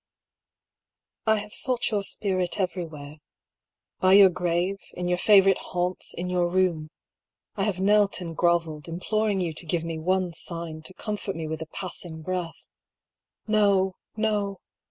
I have sought your spirit everywhere — by your grave, in your favourite haunts, in your room. I have knelt and grovelled, imploring you to give me one sign, to comfort me with a passing breath. N"o ! no